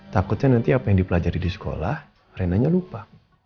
takutnya nanti apa yang dipelajari di sekolah renanya lupa